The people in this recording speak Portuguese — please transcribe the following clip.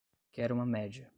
Quero uma média